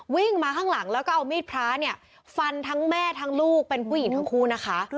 วิ่งมาข้างหลังแล้วก็เอามีดพระเนี่ยฟันทั้งแม่ทั้งลูกเป็นผู้หญิงทั้งคู่นะคะ